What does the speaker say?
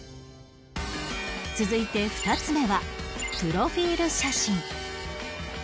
続いて２つ目はプロフィール写真